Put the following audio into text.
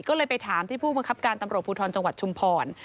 ก็เลยไปถามที่ผู้บังคับการตำรวจภูทรจังหวัดชุมพร